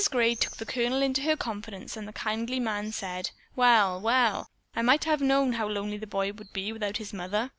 Gray took the Colonel into her confidence and that kindly man said: "Well, well, I might have known how lonely the boy would be without his mother.